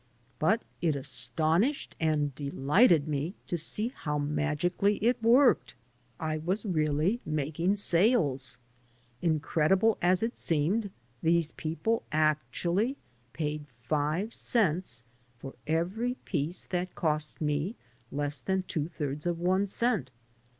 But it astonished and de lighted me to see how magically it worked. I was really making sales. Incredible as it seemed, these people actually paid five cents for every piece that cost me less than two thirds of one cent.